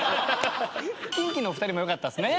キンキの２人も良かったっすね。